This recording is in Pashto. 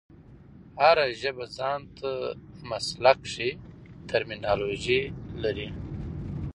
هره ژبه ځان ته مسلکښي ټرمینالوژي لري.